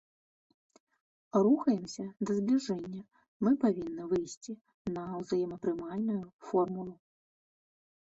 Рухаемся да збліжэння, мы павінны выйсці на ўзаемапрымальную формулу.